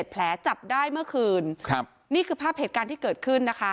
แผลจับได้เมื่อคืนครับนี่คือภาพเหตุการณ์ที่เกิดขึ้นนะคะ